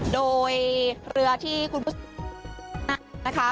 โดยเรือที่คุณผู้ชมรู้สึกว่านั้นนะคะ